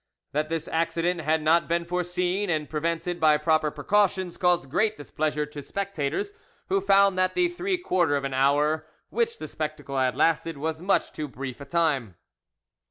That this accident had not been forseen and prevented by proper precautions caused great displeasure to spectators who found that the three quarter of an hour which the spectacle had lasted was much too brief a time.